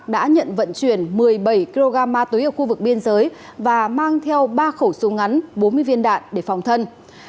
đã nhận vận chuyển một mươi bảy kg ma túy ở khu vực biên giới và mang theo ba khẩu súng ngắn bốn mươi viên đạn để phòng thân